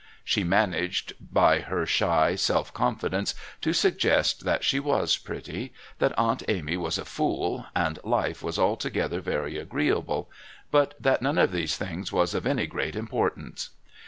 she managed by her shy self confidence to suggest that she was pretty, that Aunt Amy was a fool, and life was altogether very agreeable, but that none of these things was of any great importance.